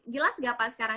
jelas gak pak sekarang